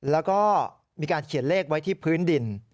แล้วก็มีการเขียนเลขไว้ที่พื้นดิน